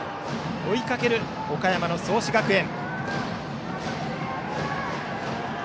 追いかける岡山の創志学園。